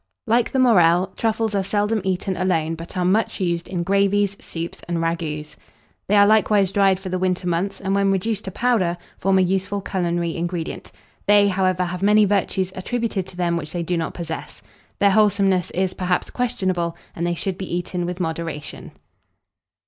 Like the Morel, truffles are seldom eaten alone, but are much used in gravies, soups, and ragoûts. They are likewise dried for the winter months, and, when reduced to powder, form a useful culinary ingredient; they, however, have many virtues attributed to them which they do not possess. Their wholesomeness is, perhaps, questionable, and they should be eaten with moderation.